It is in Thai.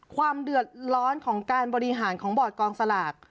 ความเดือดร้อนของการบริหารของบอร์ดกองสลาก